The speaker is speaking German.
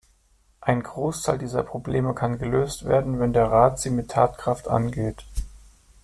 Ein Großteil dieser Probleme kann gelöst werden, wenn der Rat sie mit Tatkraft angeht.